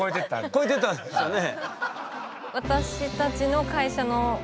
越えてったんですよね。